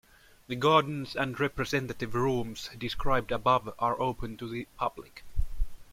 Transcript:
The gardens and representative rooms described above are open to the public.